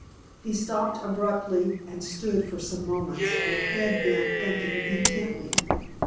He stopped abruptly and stood for some moments with head bent thinking intently.